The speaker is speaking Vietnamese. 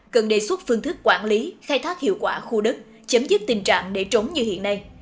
cần đề xuất phương thức quản lý khai thác hiệu quả khu đất chấm dứt tình trạng để trống như hiện nay